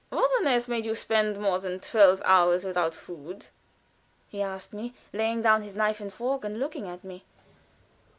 "What on earth made you spend more than twelve hours without food?" he asked me, laying down his knife and fork, and looking at me.